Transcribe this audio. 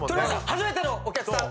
初めてのお客さん。